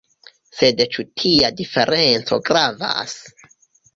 Sed ĉu tia diferenco gravas?